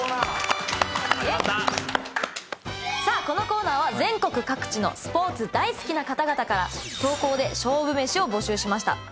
このコーナーは全国各地のスポーツ大好きな方々から投稿で勝負めしを募集しました。